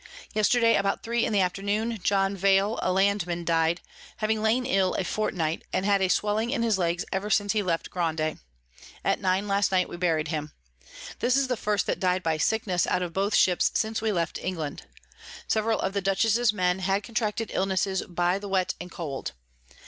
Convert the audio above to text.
Yesterday about three in the Afternoon John Veale a Landman died, having lain ill a Fortnight, and had a Swelling in his Legs ever since he left Grande. At nine last night we bury'd him; this is the first that died by Sickness out of both Ships since we left England. Several of the Dutchess's Men had contracted Illness by the Wet and Cold.